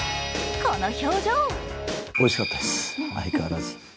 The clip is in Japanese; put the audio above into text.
この表情。